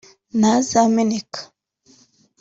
ntazameneke